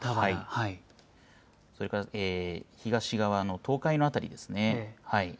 それから東側の東海の辺りですね。